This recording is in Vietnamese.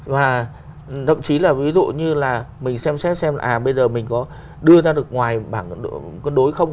và thậm chí là ví dụ như là mình xem xét xem là bây giờ mình có đưa ra được ngoài bảng cân đối không